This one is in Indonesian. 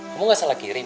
kamu gak salah kirim